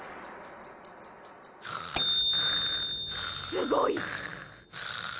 すごい！